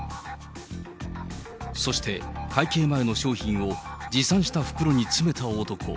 そして、会計前の商品を持参した袋に詰めた男。